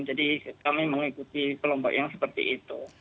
jadi kami mengikuti kelompok yang seperti itu